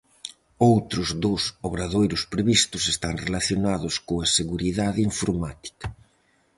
Outros dos obradoiros previstos están relacionados coa seguridade informática.